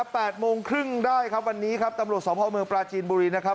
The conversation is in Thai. แปดโมงครึ่งได้ครับวันนี้ครับตำรวจสมภาพเมืองปลาจีนบุรีนะครับ